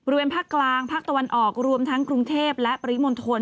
ภาคกลางภาคตะวันออกรวมทั้งกรุงเทพและปริมณฑล